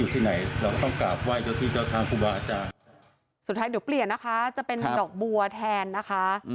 สุดท้ายเดี๋ยวเปลี่ยนนะคะจะเป็นดอกบัวแทนนะคะ